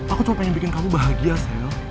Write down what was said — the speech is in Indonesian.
aku cuma pengen bikin kamu bahagia sel